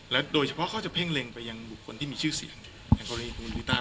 และโดยเฉพาะเขาจะเพ่งเล็งไปยังบุคคลที่มีชื่อเสียงให้พลังงานดูกวงฤตาเป็นต้น